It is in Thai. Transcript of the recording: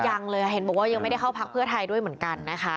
ยังเลยเห็นบอกว่ายังไม่ได้เข้าพักเพื่อไทยด้วยเหมือนกันนะคะ